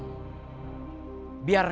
biar gak ada korban